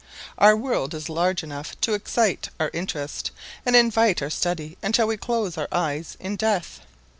Our world is large enough to excite our interest and invite our study until we close our eyes in death.